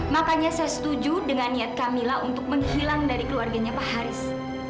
makanya saya setuju dengan niat kamila untuk menghilang dari keluarganya pak haris